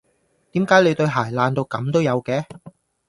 點解你對鞋爛到噉都有嘅？